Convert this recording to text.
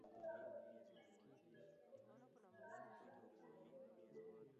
na haijapiga marufuku sarafu ya kimtandao